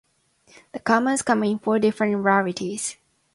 The commons come in four different rarities.